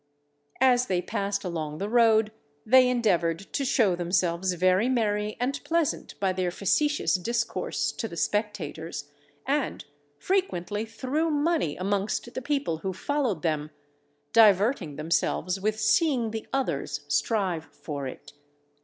As they passed along the road they endeavoured to show themselves very merry and pleasant by their facetious discourse to the spectators, and frequently threw money amongst the people who followed them, diverting themselves with seeing the others strive for it.